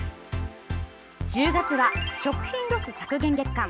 １０月は食品ロス削減月間。